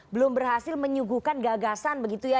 belum berhasil menyuguhkan gagasan begitu ya